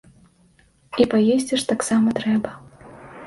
І паесці ж таксама трэба.